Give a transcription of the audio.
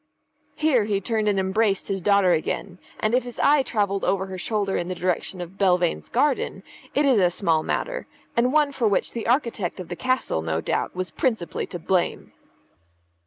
Here he turned and embraced his daughter again; and if his eye travelled over her shoulder in the direction of Belvane's garden, it is a small matter, and one for which the architect of the castle, no doubt, was principally to blame.